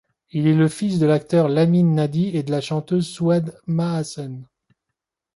Il est le fils de l'acteur Lamine Nahdi et de la chanteuse Souad Mahassen.